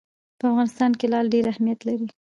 په افغانستان کې لعل ډېر اهمیت لري.